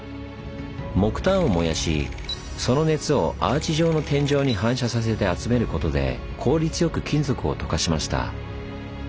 木炭を燃やしその熱をアーチ状の天井に反射させて集めることで効率よく金属を溶かしました。